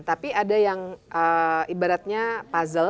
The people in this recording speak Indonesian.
tapi ada yang ibaratnya puzzle